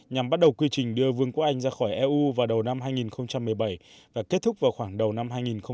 nhằm bắt đầu quy trình đưa vương quốc anh ra khỏi eu vào đầu năm hai nghìn hai mươi